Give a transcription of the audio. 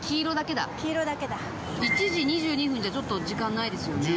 １時２２分じゃちょっと時間ないですよね。